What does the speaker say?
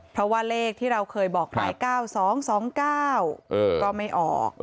เพราะว่าเลขที่เราเคยบอกไป๙๒๒๙ก็ไม่ออก